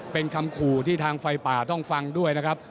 เป็นคำขู่ที่ทางไฟป่าต้องฟังด้วยนะครับ